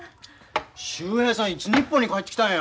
秀平さんいつ日本に帰ってきたんや。